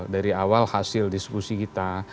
dari awal hasil diskusi kita